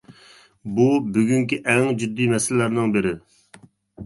بۇ بۈگۈنكى ئەڭ جىددىي مەسىلىلەرنىڭ بىرى.